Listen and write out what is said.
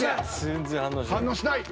全然反応しない。